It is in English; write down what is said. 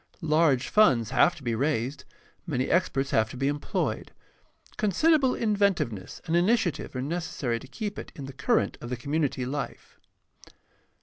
Large funds have to be raised, many experts have to be em ployed. Considerable inventiveness and initiative are neces sary to keep it in the current of the community life.